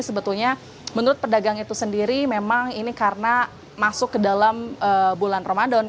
sebetulnya menurut pedagang itu sendiri memang ini karena masuk ke dalam bulan ramadan